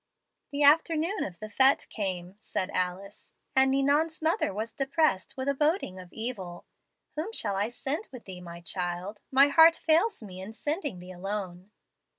"The afternoon of the fete came," said Alice, "and Ninon's mother was depressed with a boding of evil. "'Whom shall I send with thee, my child? My heart fails me in sending thee alone.'